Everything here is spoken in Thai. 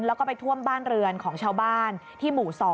แล้วก็ไปท่วมบ้านเรือนของชาวบ้านที่หมู่๒